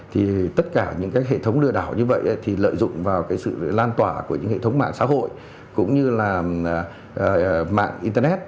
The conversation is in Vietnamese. thì tất cả những cái hệ thống lừa đảo như vậy thì lợi dụng vào cái sự lan tỏa của những hệ thống mạng xã hội cũng như là mạng internet